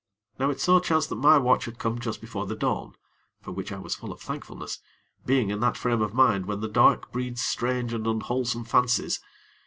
Now it so chanced that my watch had come just before the dawn; for which I was full of thankfulness, being in that frame of mind when the dark breeds strange and unwholesome fancies.